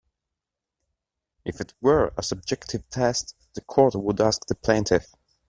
If it were a subjective test, the Court would ask the plaintiff.